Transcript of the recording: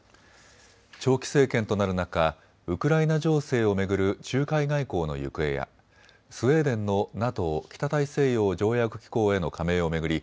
長期政権となる中、ウクライナ情勢を巡る仲介外交の行方やスウェーデンのＮＡＴＯ・北大西洋条約機構への加盟を巡り